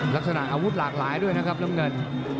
ลักษณะอาวุธหลากหลายด้วยนะครับน้ำเงิน